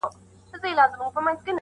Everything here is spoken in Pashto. راته مه ګوره میدان د ښکلیو نجونو.!